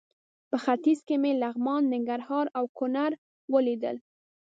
په ختیځ کې مې لغمان، ننګرهار او کونړ ولیدل.